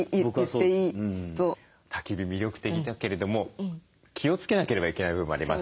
たき火魅力的だけれども気をつけなければいけない部分もありますね。